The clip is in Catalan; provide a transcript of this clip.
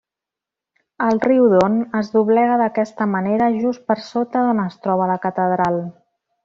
El riu Don es doblega d'aquesta manera just per sota d'on es troba la catedral.